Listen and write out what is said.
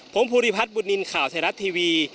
ผมภูริพัฒน์บุญนินทร์ข่าวไทยรัฐทีวี